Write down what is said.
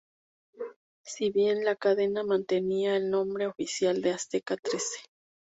Si bien, la cadena mantenía el nombre oficial de Azteca Trece.